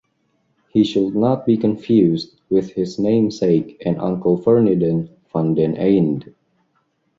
He should not be confused with his namesake and uncle Ferdinand van den Eynde.